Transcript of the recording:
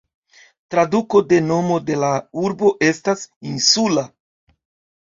Traduko de nomo de la urbo estas "insula".